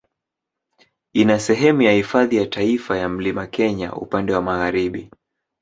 Ina sehemu ya Hifadhi ya Taifa ya Mlima Kenya upande wa magharibi.